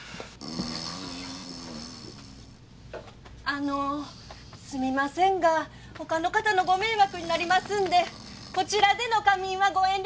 あのすみませんが他の方のご迷惑になりますんでこちらでの仮眠はご遠慮願えますか？